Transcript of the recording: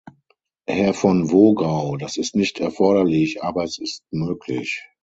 Herr von Wogau, das ist nicht erforderlich, aber es ist möglich.